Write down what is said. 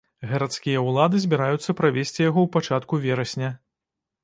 Гарадскія ўлады збіраюцца правесці яго ў пачатку верасня.